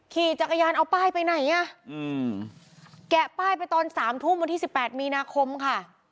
ขี่จักรยานเอาป้ายไปไหนแกะป้ายไปตอน๓ทุ่มวันที่๑๘มีนาคมค่ะ